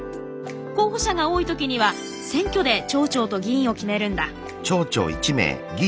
候補者が多い時には選挙で町長と議員を決めるんだ。